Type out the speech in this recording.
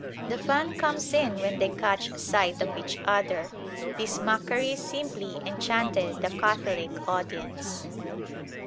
The fun comes in when they catch sight of each other. This mockery simply enchanted the Catholic audience.